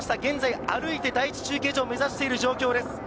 現在、歩いて第１中継所を目指している状況です。